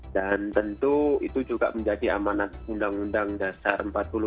dan tentu itu juga menjadi amanat undang undang dasar empat puluh lima